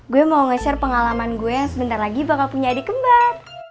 gue mau nge share pengalaman gue yang sebentar lagi bakal punya adik kembar